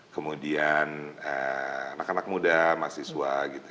kemudian anak anak muda mahasiswa